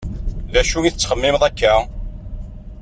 D acu i tettxemmimeḍ akka?